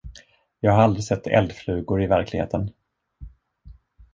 Jag har aldrig sett eldflugor i verkligheten.